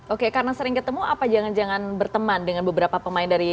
oke karena sering ketemu apa jangan jangan berteman dengan beberapa pemain dari